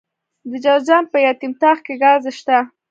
د جوزجان په یتیم تاغ کې ګاز شته.